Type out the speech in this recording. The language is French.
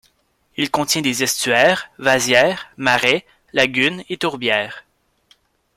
Il contient des estuaires, vasières, marais, lagunes et tourbières.